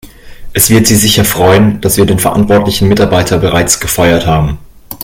Es wird Sie sicher freuen, dass wir den verantwortlichen Mitarbeiter bereits gefeuert haben.